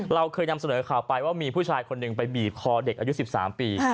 เราเคยนำเสนอข่าวไปว่ามีผู้ชายคนหนึ่งไปบีบคอเด็กอายุ๑๓ปี